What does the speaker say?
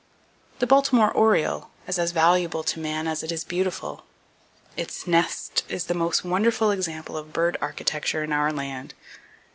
The Baltimore Oriole is as valuable to man as it is beautiful. Its nest is the most wonderful example of bird architecture in our land.